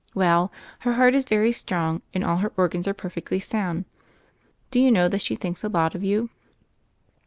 Well, her heart is very strong, and all her organs are perfectly sound. Do you know that she thinks a lot of you